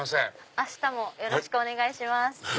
明日もよろしくお願いします。